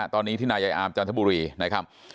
ตอนนี้ที่นายายอามจันทบุรี